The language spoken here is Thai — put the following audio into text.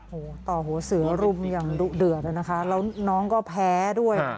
โหต่อหัวเสือรุ่มอย่างเดือดแล้วน้องก็แพ้ด้วย